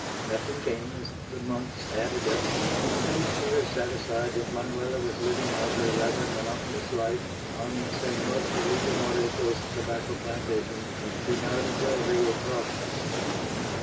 Nothing came as the months added up, and she was satisfied that Manuela was living out her rather monotonous life on Senor Felipe Moreto's tobacco plantation in Pinar del Rio province.